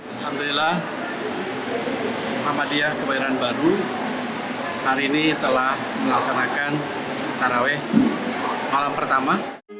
alhamdulillah muhammadiyah kebayoran baru hari ini telah melaksanakan taraweh malam pertama